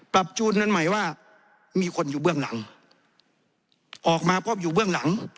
จูนนั้นหมายว่ามีคนอยู่เบื้องหลังออกมาเพราะอยู่เบื้องหลัง